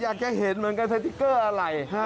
อยากจะเห็นเหมือนกันสติ๊กเกอร์อะไร